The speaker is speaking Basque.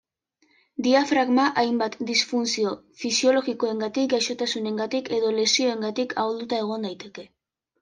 Diafragma hainbat disfuntzio fisiologikorengatik, gaixotasunengatik edo lesioengatik ahulduta egon daiteke.